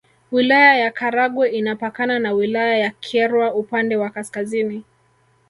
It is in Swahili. Wilaya ya Karagwe inapakana na Wilaya ya Kyerwa upande wa Kaskazini